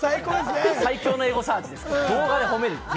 最高のエゴサーチです。